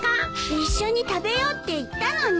一緒に食べようって言ったのに！